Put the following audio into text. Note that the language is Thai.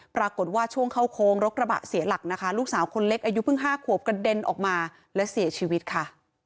ปรากฏว่าช่วงเข้าโค้งรถกระบะเสียหลักนะคะลูกสาวคนเล็กอายุเพิ่ง๕ขวบกระเด็นออกมาและเสียชีวิตค่ะ